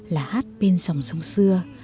là hát bên dòng sông xưa